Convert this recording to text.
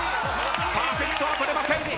パーフェクトは取れません。